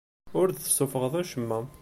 Ur d-tessuffɣeḍ acemma.